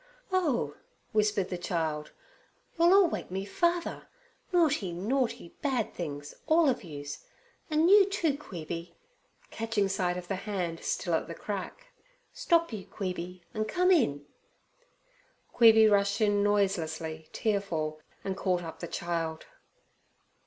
'Oh!' whispered the child, 'you'll all wake me father. Naughty, naughty bad things, all of yous—and you, too, Queeby,' catching sight of the hand still at the crack. 'Stop you, Queeby, an' come in.' Queeby rushed in noisily tearful, and caught up the child.